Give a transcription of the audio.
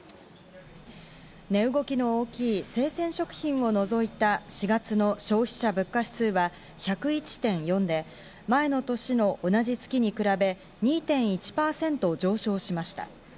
値動きの大きい生鮮食品を除いた４月の消費者物価指数は、１０１．４で前の年の同じ月に比べ２．１％上昇しました。